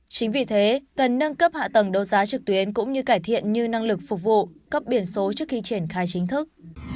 chính vì thế cần nâng cấp hạ tầng đấu giá trực tuyến cũng như cải thiện như năng lực phục vụ cấp biển số trước khi triển khai chính thức